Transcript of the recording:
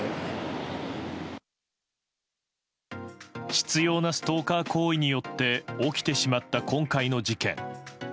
執拗なストーカー行為によって起きてしまった今回の事件。